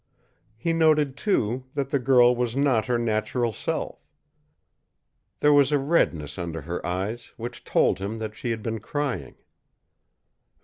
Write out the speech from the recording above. He noted, too, that the girl was not her natural self. There was a redness under her eyes which told him that she had been crying.